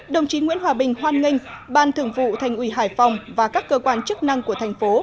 đồng chí nguyễn hòa bình hoan nghênh ban thường vụ thành ủy hải phòng và các cơ quan chức năng của thành phố